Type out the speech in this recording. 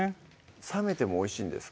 冷めてもおいしいんですか？